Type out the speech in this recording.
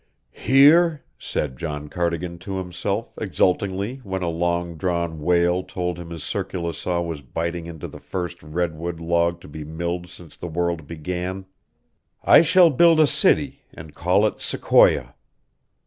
"Here," said John Cardigan to himself exultingly when a long drawn wail told him his circular saw was biting into the first redwood log to be milled since the world began, "I shall build a city and call it Sequoia.